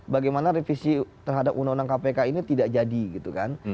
bagaimana revisi terhadap undang undang kpk ini tidak jadi gitu kan